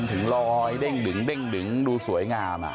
ข้างถึงเลยเด้งดูสวยงามอะ